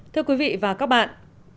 thưa quý vị và các bạn